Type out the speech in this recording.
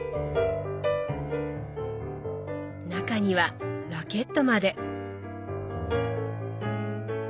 中にはラケットまで。